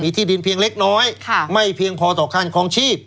มีที่ดินเพียงเล็กน้อยค่ะไม่เพียงพอต่อขั้นของชีพ